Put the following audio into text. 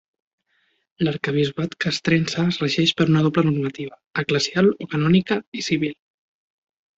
L'Arquebisbat Castrense es regeix per una doble normativa: eclesial o canònica i civil.